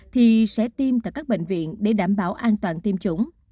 thì sẽ tiêm tại các bệnh viện để đảm bảo an toàn tiêm chủng